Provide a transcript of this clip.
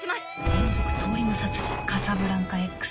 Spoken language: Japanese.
連続通り魔殺人「カサブランカＸ」。